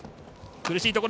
苦しいところ！